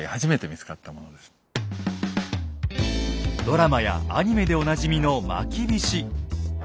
ドラマやアニメでおなじみのまきびし。